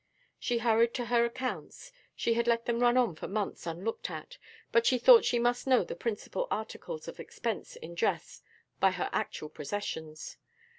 She hurried to her accounts; she had let them run on for months unlooked at, but she thought she must know the principal articles of expense in dress by her actual possessions.